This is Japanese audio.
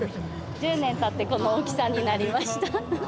１０年たってこの大きさになりました。